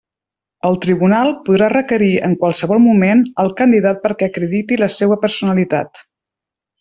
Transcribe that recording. El tribunal podrà requerir en qualsevol moment el candidat perquè acredite la seua personalitat.